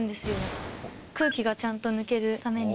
空気がちゃんと抜けるために。